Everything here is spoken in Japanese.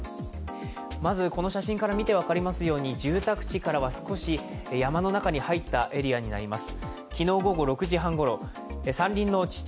まずこの写真から見て分かりますように、住宅地からは少し山の中に入ったエリアになります。